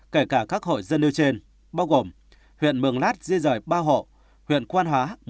kể cả các hội dân nêu trên bao gồm huyện mường lát di rời ba hộ huyện quan hóa